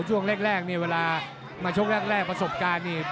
ช่วงแรกนี่เวลามาชกแรกประสบการณ์นี่